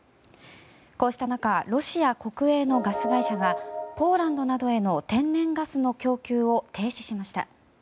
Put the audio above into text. こうした中ロシア国営のガス会社がポーランドなどへの天然ガスの供給を停止しました。